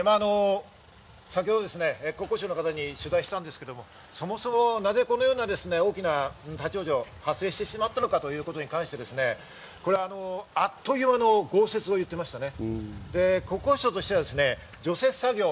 先ほど国交省の方に取材したんですけど、そもそも、なぜこのような大きな立ち往生が発生してしまったのかということに関して、あっという間の豪雪と言っていましたね。